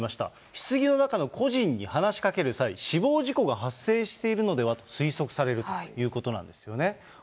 ひつぎの中の故人に話しかける際、死亡事故が発生しているのではと推測されるということなんですよね。